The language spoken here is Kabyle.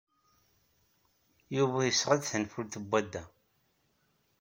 Yuba yesɣa-d tanfult n twadda.